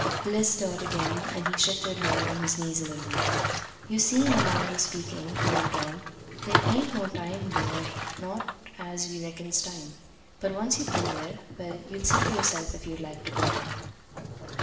Liz stirred again, and he shifted her on his knees a little. "You see, in a manner of speaking," he went on, "there ain't no time there, not as we reckons time. But once you've been there well, you'll see for yourself if you'd like to go."